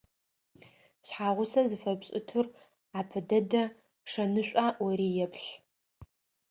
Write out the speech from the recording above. Шъхьагъусэ зыфэпшӏыщтыр апэ дэдэ шэнышӏуа ӏори еплъ.